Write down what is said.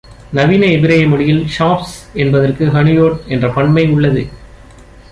நவீன எபிரேய மொழியில் "ஷாப்ஸ்" என்பதற்கு "ஹனுயோட்" என்ற பன்மை உள்ளது.